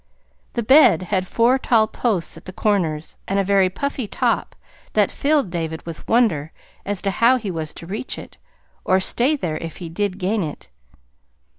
The bed had four tall posts at the corners, and a very puffy top that filled David with wonder as to how he was to reach it, or stay there if he did gain it.